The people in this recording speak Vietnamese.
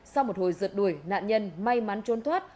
sau một hồi rượt đuổi nạn nhân may mắn trốn thoát